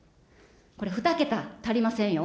これ、２桁足りませんよ。